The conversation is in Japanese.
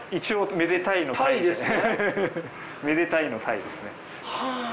めでたいの鯛ですね。